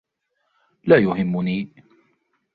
لا يهمني.